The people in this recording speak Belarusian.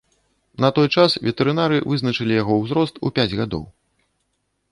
На той час ветэрынары вызначылі яго ўзрост у пяць гадоў.